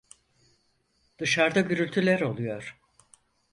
Dışarda gürültüler oluyor.